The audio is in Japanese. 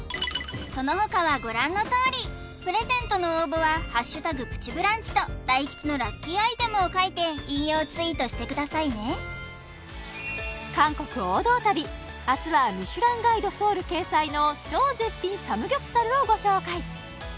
そのほかはご覧のとおりプレゼントの応募は「＃プチブランチ」と大吉のラッキーアイテムを書いて引用ツイートしてくださいね韓国王道旅明日はミシュランガイドソウル掲載の超絶品サムギョプサルをご紹介